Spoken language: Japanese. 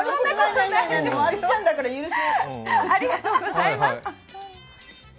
あずちゃんだから許す。